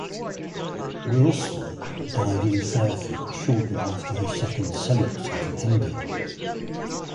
Wilson died in Fairfield shortly after his second Senate term ended.